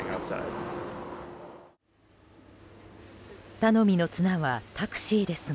頼みの綱はタクシーですが。